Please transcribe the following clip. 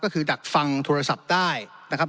ก็คือดักฟังโทรศัพท์ได้นะครับ